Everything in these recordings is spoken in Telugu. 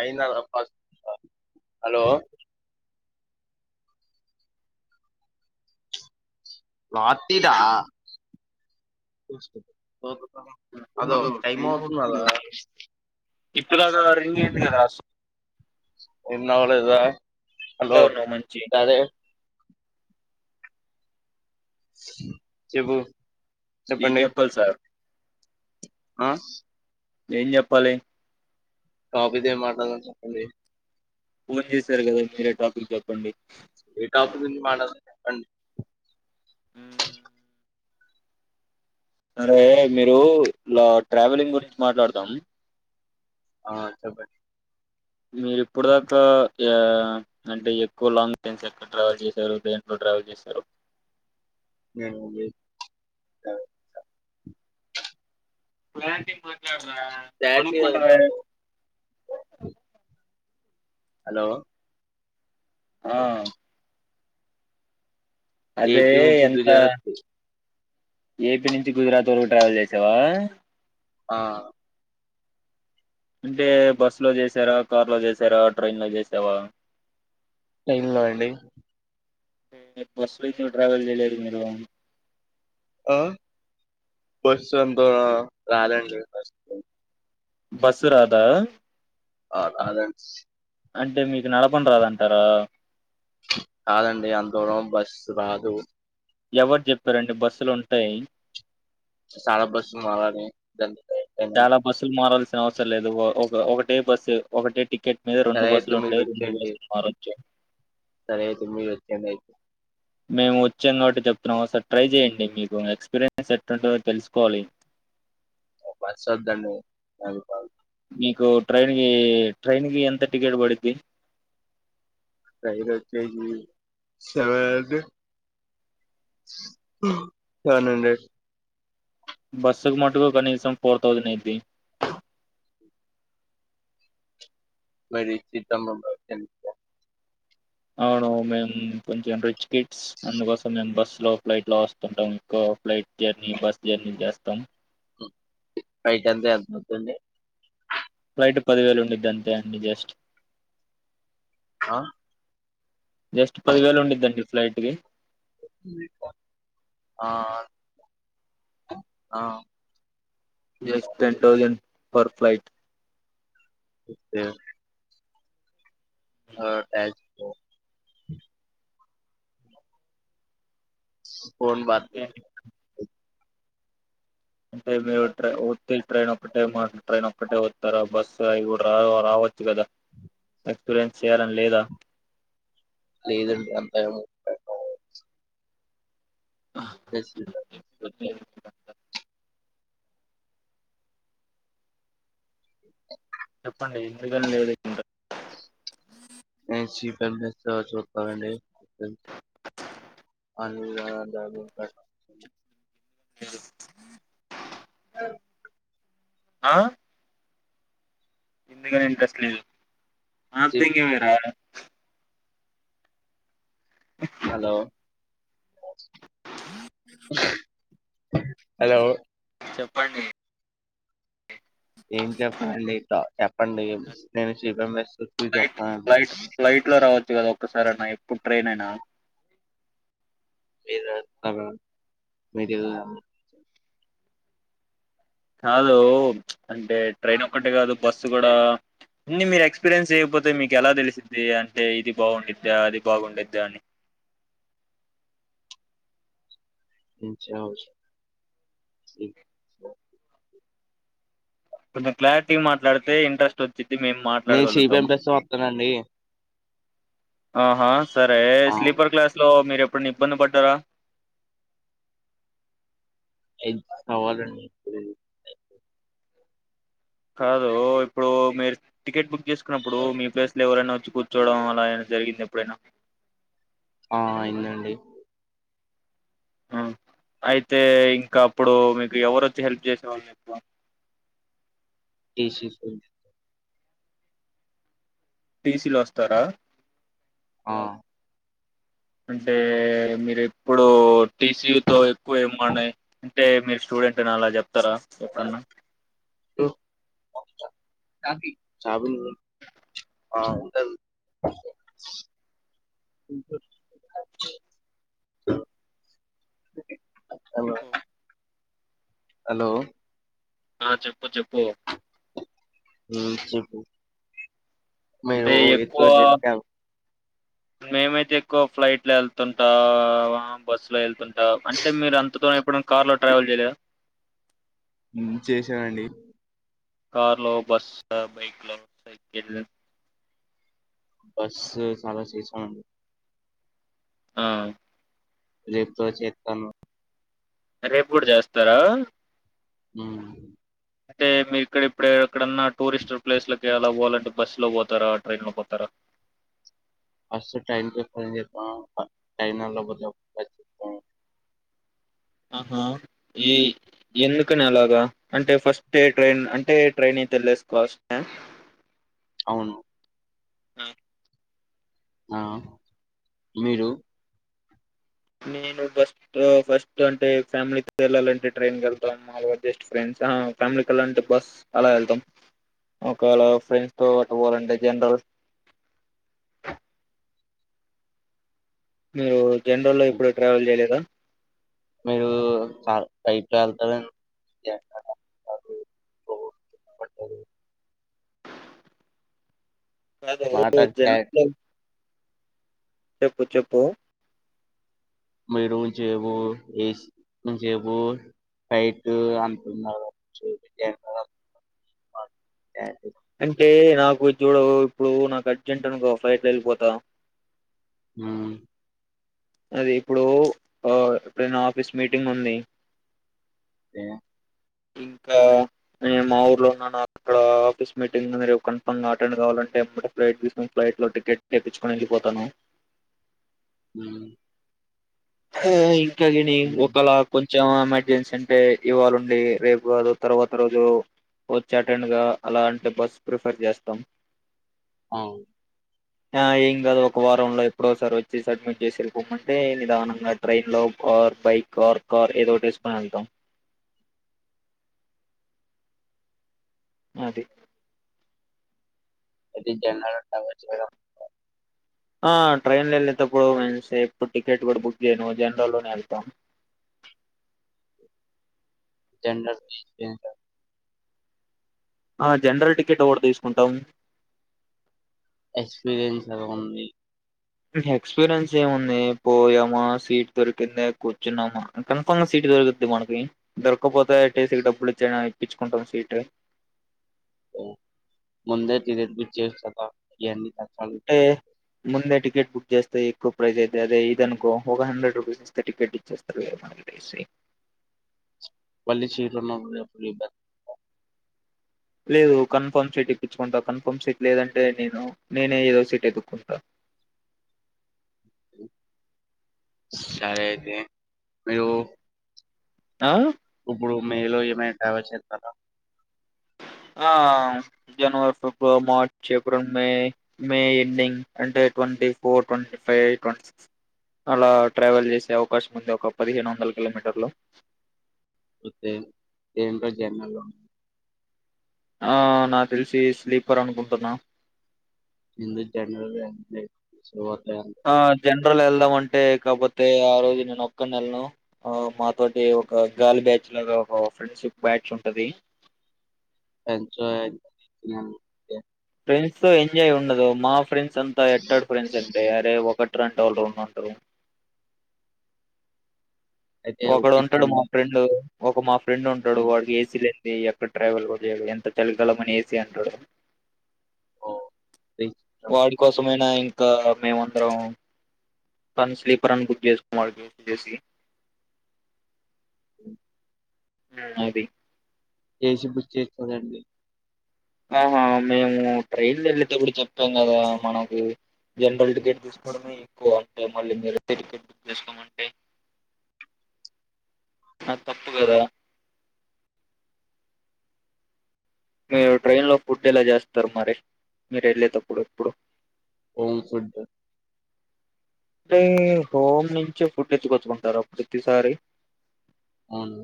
అయినా అప్పాస్ [unintelligible] హలో పార్టీ దా న ట ఏ అవుతున్నదా ఇప్పుడు దాక ఆ రేంజ్ ఉంది కదా అస్ ఇన్నావా లేదా లో హలో ఉన్నావు మంచి క్యారె చెప్పు ఏం చెప్పండి చెప్పాల్ సార్? ఆ ఏం చెప్పాలి? కాపీతే, ఏం మాట్లాడలని చెప్పండి. ఫోన్ చేశారు కదా! మీరే టాపిక్ చెప్పండి. అన్ని మ్ అరే మీరు లా ట్రావెలింగ్ గురించి మాట్లాడదాం. ఆ సప్పడి మీరు ఇప్పుడు దాకా అంటే ఎక్కువ లాంగ్ డిస్టెన్స్ ఎక్కడ ట్రావెల్ చేశారు దంట్లో రా చేసారు నేను ప్రలాంట మాట్లాడరా అనుకుంట హలో ఆహ అదే ఏపీ నుంచి ఎంత గుజరాత్ ఏపీ నుంచి గుజరాత్ వరకు ట్రావెల్ చేసావా ఆహ అంటే బస్ లో చేసారా కార్లో చేసారా ట్రైన్ లో చేసావా టైన్ లో అండి బస్సు ట్రావల్ చేలేరు ఆ బస్ ఎంత రాలేండి బసురాదా అ అద అంటే మీకు నడపం రాదంటారా కాదండి అంతూరం బస్సు రాదు ఎవరు చెప్పారండి బస్సులు ఉంటాయి శాల బస్ మలానే చాలా బస్సులు మారాల్సిన అవసరం లేదు ఒక ఒకటే బస్సు ఒకటేటి టికెట్ మీద రెండు సరే అయితే మీరు బస్లుంటాయి రెండు వచ్చేయండి బస్సులు మారొచ్చు సరే అయితు మీ వచ్చిందయతుతే మేము వచ్చింటి చెప్తున్నాం ఒకసారి ట్రై చెయడి మీకు ఎక్స్పీరియన్స్ ఎట్ంటుందో తెలుసుకోవాలి పధడి అభ మీకు ట్రైన్ క ట్రైన్ కి ఎంత టికెట్ పడుద్ది రఐదు కేజీ సెవెత్ సెవెన్ హండ్రెడ్ బస్సుకు మటుకు కనీసం ఫోర్ థౌజండ్ అయిది మరి చిితమ్ అవును మేము కొంచెం రిచ్ కిట్స్ అందుకోసం మేము బస్సు లో ఫ్లైట్ లో వస్తుంటాం ఇంకు ఫ్లైట్ జర్నీ బస్ జర్నీ జస్తం బయట అంత ఎంతవుతుంది ఫ్లైట్ పదివేలు ఉండద్దంతే అన్నిడి జస్ట్ ఆ జస్ట్ పది వేలు ఉండడిందండి ఫ్లైట్ి ఆ ఆ yes ten thousand per flight okay ఆజ్ ఫన్ బ అంటే మీరు ట త్ ట్రైన్ ఒ ఒకటే ట్రైన్ ఒక్కటే ఓతారా బస్సు రా చ్చు కదా ఎక్స్పీరియన్స్ చేయాలని లేదా లేదండి అంతా ఏమో ఎందుకని లేదు మీకు [unintelligible] అంత? చెప్పండి ఎందుకని లేదు ఇంకా [unintelligible] [unintelligible] [inaudible] [inaudible] ఆహ్ ఎందుకని ఇంట్రెస్ట్ లేదు హలో హలో చెప్పండి ఏం చెప్పాలండి చెప్పండి నేను ఫ్లైట్ ఫ్లైట్ ఫ్లైట్ లో రావచ్చు కదా ఒకసారన్న ఎప్పుడు ట్రైన్ ఏనా [unintelligible] కాదు అంటే ట్రైన్ ఒక్కటే కాదు బస్సు కూడా అన్నీ మీరు ఎక్స్పీరియన్స్ చేయకపోతే మీకు ఎలా తెలిసిద్ది అంటే ఇది బాగుండిద్దా అది బాగుండిద్దా అని [inaudible] కొంచెం క్లారిటీగా మాట్లాడితే ఇంట్రెస్ట్ వచ్చింది మేము నేను మాట్లాడగలుగుతాం సిబిఎంఎస్ వస్తానండి ఆహా సరే ఆ స్లీపర్ క్లాస్ లో మీరెప్పుడైనా ఇబ్బంది పడ్డారా ఏం కావాలండి కాదు ఇప్పుడు మీరు టికెట్ బుక్ చేసుకున్నప్పుడు మీ ప్లేస్ లో ఎవరైనా వచ్చి కూర్చోవడం అలా ఏమైనా జరిగిందాఎప్పుడైనా ఆహ్ అయిందండి అయితే ఇంకా అప్పుడు మీకు ఎవరొచ్చి హెల్ప్ చేసేవాళ్ళు ఎక్కువ టీసీ టీసీలు వస్తారా ఆహ్ అంటే మీరు ఎప్పుడు టీసీయుతో ఎక్కువ ఏమనీ అంటే మీరు స్టూడెంట్ ఏంటన్నా అలా చెప్తారా ఎప్పుడన్నా [unintelligible] ఆహ్ ఉంటది [inaudible] హలో ఆ చెప్పు చెప్పు ఆమ్ చెప్పు అదే ఎక్కువ మేమైతే ఎక్కువ ఫ్లైట్ లో వెళ్తుంటా బస్సులో వెళ్తుంటా అంటే మీరు అంతగా ఎప్పుడు కార్ లో ట్రావెల్ చేయలేదా చేసామండి కార్ లో బస్ బైక్ లో సైకిల్ బస్ చాలా చేసామండి ఆహ్ రేపు కూడా చేస్తాను రేపు కూడా చేస్తారా ఆమ్ అంటే మీరు ఇక్కడ ఇప్పుడ ఎక్కడన్నా టూరిస్ట్ ప్లేస్లకి అలా పోవాలంటే బస్సులో పోతారా ట్రైన్లో పోతారా ఫ టైన్ పతా టైనా ఆహా ఏ ఎందుకని అలాగా అంటే ఫస్ట్ ట్రైన్ అంటే ట్రైన్ తె వెలేసుకోవస్త అవును ఆ ఆ మీరు నేను ఫస్ట్ ఫస్ట్ అంటే ఫ్యామిలీతో వెళ్ళాలంటే ట్రైన్ కెళ్తాం మాములుగా జెస్ట్ ఫ్రెం చానా ఫ్యామిలీకల్లా అంటే బస్ అలా వెళ్తాం ఒకవేళ ఫ్రెండ్స్ తో అటు పోవాలంటే జనరల్ [inaudible] మీరు జనరల్ లో ఇప్పుడూ ట్రావెల్ చేయలేదా మీరు [inaudible] ఓ [inaudible] [inaudible] మాట్లాడతారు జనరల్ చెప్పు చెప్పు [unintelligible] ఫైట్ అంటున్నారు [inaudible] అంటే నాకు చూడు ఇప్పుడు నాకు అర్జెంట్ అనుకో ఫ్లైట్ లో ఎళ్ళిపోతా ఊ అది ఇప్పుడు ఆ ఎప్పుడైనా ఆఫీస్ మీటింగ్ ఉంది ఏ ఇంకా నేను మా ఊర్లో ఉన్నాను [inaudible] ఆఫీస్ మీటింగ్ మీరు కన్ఫామ్ గా అటెండ్ కావాలంటే ఫ్లైట్ తీసుకుని ఫ్లైట్ లో టికెట్ తెప్పిచ్చుకొని వెళ్ళిపోతాను ఉమ్ హూ ఇంక గీని ఉమ్, ఒకలా కొం చెం ఎమర్జెన్సీ అంటే ఇవాళుండి రేపు కాదు తర్వాత రోజు వచ్చి అటెండ్ గా అలా అంటే బస్ ప్రిఫర్ చేస్తాం ఔ ఆ ఏం కాదు ఒక వారంలో ఎప్పుడోసారి వచ్చి సబ్మిట్ చేసి వెళ్ళిపోమ్మంటే నిదానం గా ట్రైన్ లో ఆర్ బైక్ ఆర్ కార్ ఏదో ఒకటి ఎసుకోని ఎళ్తాం అది అది [unintelligible] అవ్వచ్చు కదా ఆ ట్రైన్లో వెళ్ళేటప్పుడు [unintelligible] ఎప్పుడు టికెట్ కూడా బుక్ జేయను జనరల్లోనే వెళ్తాం జనరల్ [unintelligible] ఆ జనరల్ టిక్కెట్ ఒకటి తీసుకుంటాం ఎక్స్పీరియన్స్ అలా ఉంది ఎక్స్పీరియన్స్ ఏముంది పోయామా సీట్ దొరికింద కూర్చున్నామా కన్ఫామ్ సీట్ దొరుకుద్ది మనకి దొరక్కపోతే టీసీకి డబ్బులు ఇచ్చి అయినా ఇప్పిచ్చుకుంటాం సీటు ఓ ముందే [unintelligible] బుక్ చేయొచ్చు కదా ఇయన్నీ కష్టాలు అంటే ముందే టికెట్ బుక్ చేస్తే ఎక్కువ ప్రైస్ అయితది రే ఇది అనుకో ఒక హండ్రెడ్ రుపీస్ ఇస్తే టికెట్ ఇచ్చేస్తరు. హాలిడేసే వళ్లి చీర్లు ఉన్నబ్బుడు అప్పులు ఈక్బ్యా లేదు కన్ఫర్మ్ సీట్ ఇప్పించుకుంటా కన్ఫర్మ్ సీట్ లేదంటే నేను నేనే ఏదో సీట్ ఎతుక్కుంటా సరే అయితే మీరు ఆ ఇప్పుడు మీరు ఏమైనా ట్రావెల్ చేత్తరా ఆ జనవరి, ఫిబ్రవరి, మార్చ్, ఏప్రిల్, మే, మే ఎండింగ్ అంటే twenty four twenty five twenty six అలా ట్రావెల్ చేసే అవకాశం ఉంది ఒక పదిహేను వందల కిలోమీటర్లు [unintelligible] జన్రల్లో ఆ నాకు తెలిసి స్లీపర్ అనుకుంటున్నా ఇందు జనరల్ లో [unintelligible] ఆ జనరల్ ఎల్దామంటె కబో తే ఆ రోజు నేను ఒక్కన్ నెల్ను ఆ మాతోటి ఒక గాలి బ్యాచ్ లాగా ఒక ఫ్రెండ్షిప్ బ్యా ఎచ్ ఉంటదీ పంచాయతిని ఊకే ఫ్రెండ్స్తో ఎంజాయ్ ఉండదు మా ఫ్రెండ్స్ అంతా ఎట్టడు ఫ్రెండ్స్ అంటే అరే ఒకట్ ట్రన్ టోల్లు ఉంద్ అంటరు అయితే ఒకడు ఉంటడు మా ఒప్పించండి ఫ్రెండు ఒక మా ఫ్రెండ్ ఉంటడు ఉమ్, వాడికి ఏసీ లేన్ దీ ఎక్కడ్ ట్రావెల్ గుడ్ లేడు ఎంత చలి కలమని ఏసీ అంటాడు ఓ, వాడి కోసమైనా ఇంకా మేము అందరం కానీ స్లీపర్ అన్ బుక్ జేస్ [unintelligible] జేసి ఊ అదీ ఏసి బుక్ చేత్తదండి ఆహా మేము ట్రైన్లో ఎళ్ళేటప్పుడు చొప్పాం గదా మనకూ జన్రల్ టికెట్ తీసుకోడమే ఎక్కువ అంటే మళ్ళీ మీరతే టికెట్ బుక్ చేసుకోమంటే నాద్ తప్పు గదా మీరు ట్రైన్ లో ఫుడ్ ఎలా జేస్తరు మరి మీరు ఎళ్ళేతప్పుడు ఎప్పుడు హౌస్ ఫుడ్ టే హోమ్ నించే ఫుడ్ ఎత్తుకొచ్చుకుంటారా ప్రతిసారి ఊను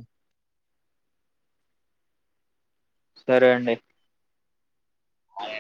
సరే అండి మాఏ